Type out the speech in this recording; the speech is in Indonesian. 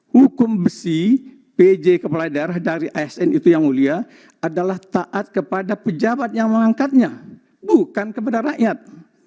hukum besi pj kepala daerah dari asn itu yang mulia adalah taat kepada pejabat yang mengangkatnya bukan kepada rakyat